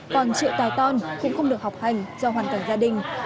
còn triệu tài ton cũng không được học hành do hoàn cảnh gia đình